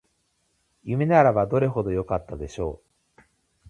夢ならばどれほどよかったでしょう